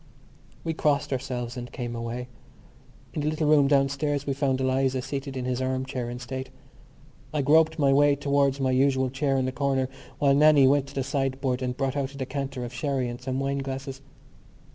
We blessed ourselves and came away. In the little room downstairs we found Eliza seated in his arm chair in state. I groped my way towards my usual chair in the corner while Nannie went to the sideboard and brought out a decanter of sherry and some wine glasses.